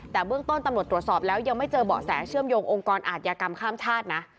แต่เบื้องต้นตำรวจตรวจสอบแล้วยังไม่เจอเบาะแสเชื่อมโยงองค์กรอาธิกรรมข้ามชาตินะ